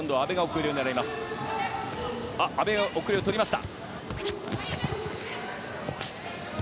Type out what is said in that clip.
阿部が奥襟をとりました。